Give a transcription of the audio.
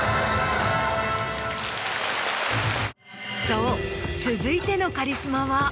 そう続いてのカリスマは。